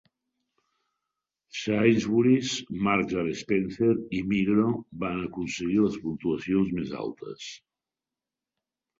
Sainsburys, Marks and Spencer i Migro van aconseguir les puntuacions més altes.